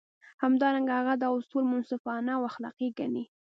همدارنګه هغه دا اصول منصفانه او اخلاقي ګڼي.